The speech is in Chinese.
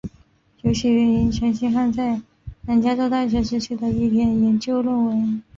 游戏源于陈星汉在南加州大学时期的一篇研究论文。